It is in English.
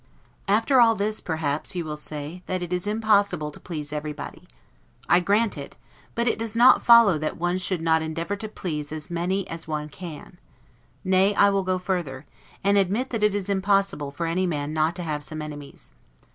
After all this, perhaps you will say, that it is impossible to please everybody. I grant it; but it does not follow that one should not therefore endeavor to please as many as one can. Nay, I will go further, and admit that it is impossible for any man not to have some enemies.